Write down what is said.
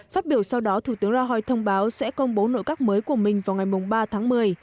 phát biểu sau đó thủ tướng rahoy thông báo sẽ công bố nội các mới của mình vào ngày ba tháng một mươi